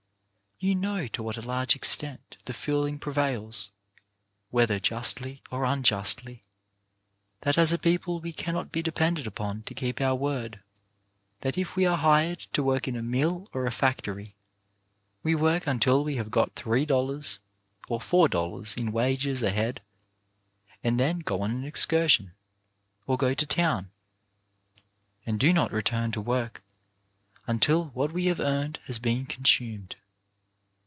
You know to what a large extent the feeling prevails — whether justly or unjustly — that as a 267 268 CHARACTER BUILDING people we cannot be depended upon to keep our word; that if we are hired to work in a mill or a factory, we work until we have got three dollars or four dollars in wages ahead, and then go on an excursion, or go to town, and do not return to work until what we have earned has been con sumed.